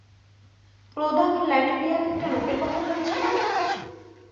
Clodagh Latvian একটা লোকের কথা বলেছিল না?